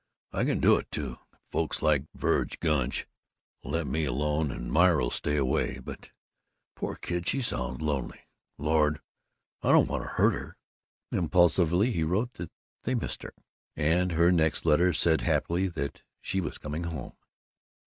I can do it, too, if folks like Verg Gunch'll let me alone, and Myra'll stay away. But poor kid, she sounds lonely. Lord, I don't want to hurt her!" Impulsively he wrote that they missed her, and her next letter said happily that she was coming home.